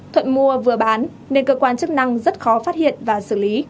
thuận mua vừa bán nên cơ quan chức năng rất khó phát hiện và xử lý